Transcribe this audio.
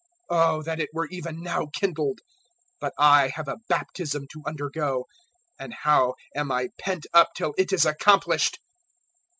Oh that it were even now kindled! 012:050 But I have a baptism to undergo; and how am I pent up till it is accomplished!